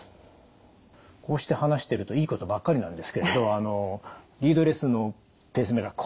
こうして話してるといいことばっかりなんですけれどリードレスのペースメーカー